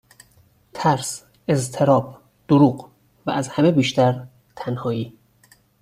ترس ، اضطراب ، دروغ و از همه بیشتر تنهایی